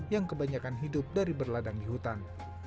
yang kebanyakan hidup dari berladang di hutan